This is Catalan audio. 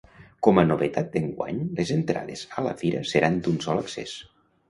Com a novetat d'enguany les entrades a la fira seran d'un sol accés.